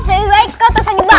lebih baik kau tersenyum